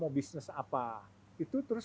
mau bisnis apa itu terus